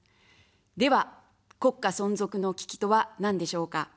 では、国家存続の危機とは何でしょうか。